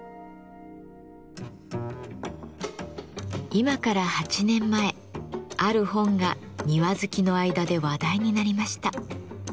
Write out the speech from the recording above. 今から８年前ある本が庭好きの間で話題になりました。